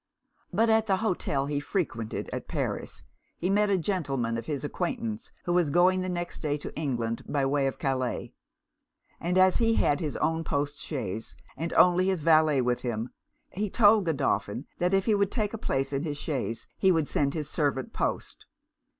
But at the hotel he frequented at Paris, he met a gentleman of his acquaintance who was going the next day to England by way of Calais; and as he had his own post chaise, and only his valet with him, he told Godolphin that if he would take a place in his chaise he would send his servant post.